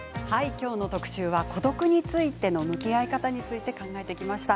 きょうの特集は孤独についての向き合い方について考えてきました。